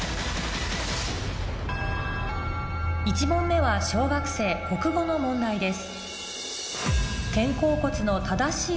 １問目は小学生国語の問題です